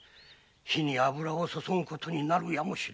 火に油を注ぐことになるやもしれぬ。